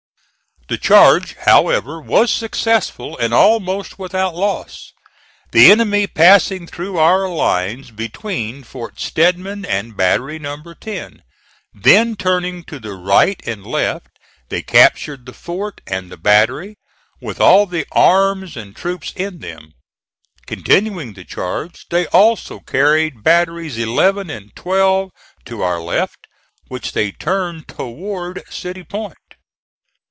The charge, however, was successful and almost without loss, the enemy passing through our lines between Fort Stedman and Battery No. 10. Then turning to the right and left they captured the fort and the battery, with all the arms and troops in them. Continuing the charge, they also carried batteries Eleven and Twelve to our left, which they turned toward City Point.